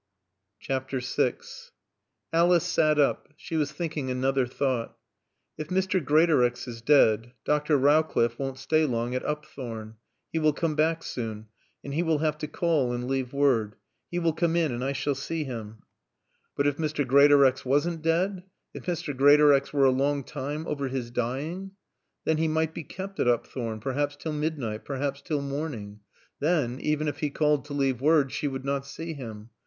VI Alice sat up. She was thinking another thought. "If Mr. Greatorex is dead, Dr. Rowcliffe won't stay long at Upthorne. He will come back soon. And he will have to call and leave word. He will come in and I shall see him." But if Mr. Greatorex wasn't dead? If Mr. Greatorex were a long time over his dying? Then he might be kept at Upthorne, perhaps till midnight, perhaps till morning. Then, even if he called to leave word, she would not see him.